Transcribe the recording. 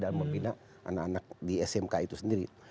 dan memimpin anak anak di smk itu sendiri